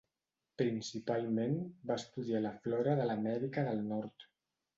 Principalment va estudiar la flora de l'Amèrica del Nord.